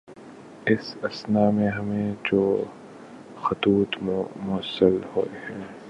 اس اثنا میں ہمیں جو خطوط موصول ہوئے ہیں